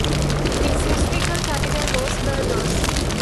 Its historical capital was Burgos.